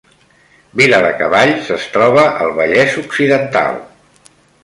Viladecavalls es troba al Vallès Occidental